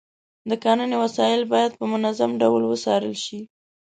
د کرنې وسایل باید په منظم ډول وڅارل شي.